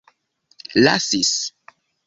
lasis